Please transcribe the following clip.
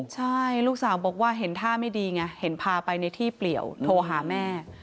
ใช่ลูกสาวบอกว่าเห็นท่าไม่ดีไงเห็นพาไปในที่เปลี่ยวโทรหาแม่